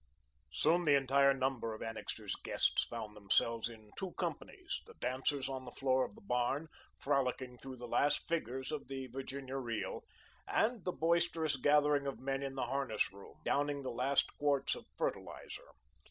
Soon the entire number of Annixter's guests found themselves in two companies, the dancers on the floor of the barn, frolicking through the last figures of the Virginia reel and the boisterous gathering of men in the harness room, downing the last quarts of fertiliser.